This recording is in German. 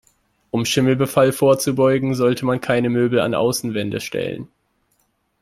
Um Schimmelbefall vorzubeugen, sollte man keine Möbel an Außenwände stellen.